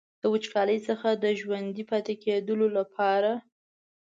د وچکالۍ څخه د ژوندي پاتې کیدو لپاره.